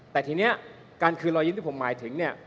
แต่ทีนี้การคืนรอยยิ้มที่ผมหมายถึงเนี่ย